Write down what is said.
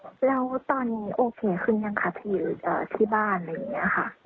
แล้วตอนนี้โอเคขึ้นหรือยังคะที่บ้านอย่างนี้ค่ะ